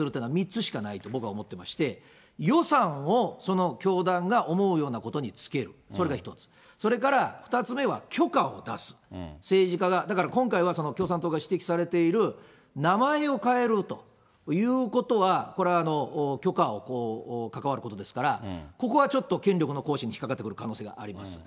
権力を行使するというのは３つしかないと僕は思ってまして、予算を、その教団が思うようなことにつける、それが１つ、それから、２つ目は許可を出す、政治家が、だから今回は共産党が指摘されている、名前を変えるということは、これは許可に関わることですから、ここはちょっと権力の行使に引っ掛かってくる可能性があります。